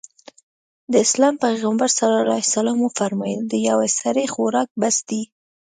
د اسلام پيغمبر ص وفرمايل د يوه سړي خوراک بس دی.